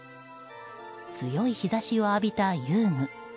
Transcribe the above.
強い日差しを浴びた遊具。